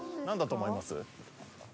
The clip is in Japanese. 何だと思います？